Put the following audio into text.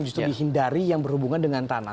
justru dihindari yang berhubungan dengan tanah